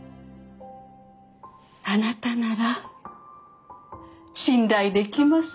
あなたなら信頼できます。